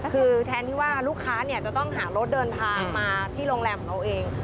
คือแทนที่ว่าลูกค้าเนี่ยจะต้องหารถเดินทางมาที่โรงแรมของเราเอง